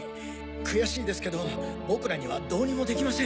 悔しいですけど僕らにはどうにもできません。